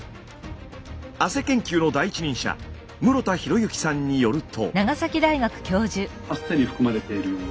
汗研究の第一人者室田浩之さんによると。